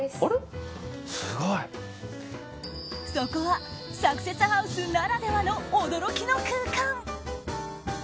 そこはサクセスハウスならではの驚きの空間。